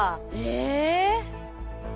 え。